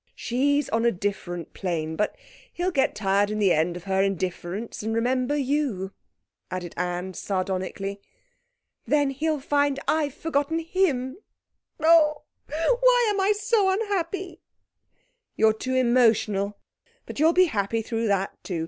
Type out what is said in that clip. She's on a different plane. But he'll get tired in the end of her indifference and remember you,' added Anne sardonically. 'Then he'll find I've forgotten him. Oh, why am I so unhappy?' 'You're too emotional, but you'll be happy through that too.